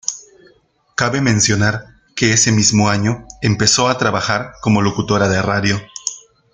Cabe mencionar que ese mismo año, empezó a trabajar como locutora de radio.